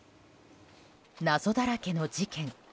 謎だらけの事件。